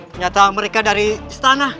ternyata mereka dari istana